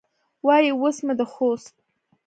وایي اوس مې د خوست